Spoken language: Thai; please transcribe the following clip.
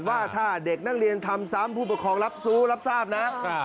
ว่าถ้าเด็กนักเรียนทำซ้ำผู้ปกครองรับสู้รับทราบนะ